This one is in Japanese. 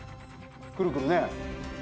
くるくるね。